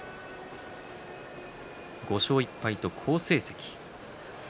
５勝１敗と好成績。